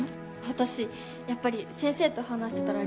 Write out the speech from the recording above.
私やっぱり先生と話してたら